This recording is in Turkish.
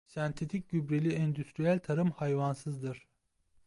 Sentetik gübreli endüstriyel tarım hayvansızdır.